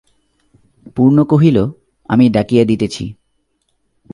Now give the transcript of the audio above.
পূর্ণ কহিল, আমি ডাকিয়া দিতেছি।